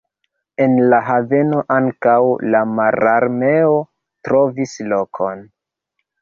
En la haveno ankaŭ la Mararmeo trovis lokon.